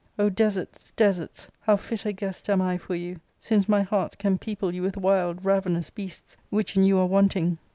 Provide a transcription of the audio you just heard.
O deserts, deserts, how fit a guest am I for you, since my heart can people you with wild ravenous beasts, which in you are wanting?